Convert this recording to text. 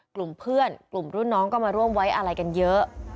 กลุ่มเพื่อนกลุ่มรุ่นน้องก็มาร่วมไว้อะไรกันเยอะ